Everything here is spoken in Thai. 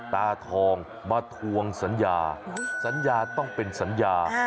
ตาทองมาทวงสัญญาสัญญาต้องเป็นสัญญา